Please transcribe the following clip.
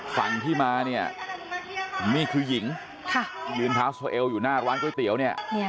ฝั่งที่มาเนี่ยนี่คือหญิงยืนเท้าโซเอลอยู่หน้าร้านก๋วยเตี๋ยวเนี่ย